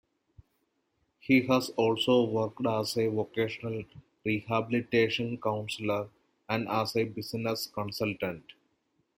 He has also worked as a vocational rehabilitation counselor and as a business consultant.